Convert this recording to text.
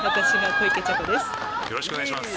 よろしくお願いします。